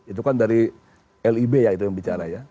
itu kan dari lib ya itu yang bicara ya